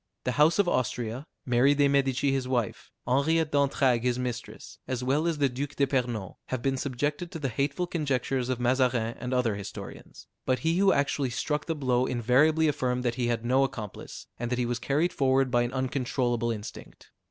The house of Austria, Mary de Medici his wife, Henriette d'Entragues his mistress, as well as the Duke d'Epernon, have been subjected to the hateful conjectures of Mazarin and other historians; but he who actually struck the blow invariably affirmed that he had no accomplice, and that he was carried forward by an uncontrollable instinct.